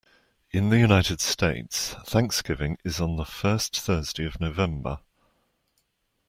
In the United States, Thanksgiving is on the fourth Thursday of November.